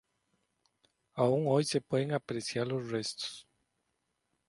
Aún hoy se pueden apreciar los restos.